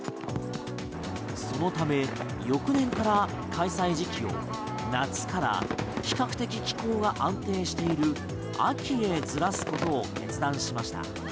そのため翌年から開催時期を夏から比較的気候が安定している秋へずらすことを決断しました。